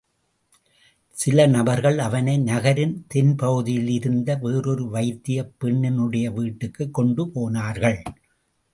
சில நபர்கள்.அவனை நகரின் தென்பகுதியிலிருந்த வேறொரு வைத்தியப் பெண்ணினுடைய வீட்டுக்குக் கொண்டுபோனார்கள்.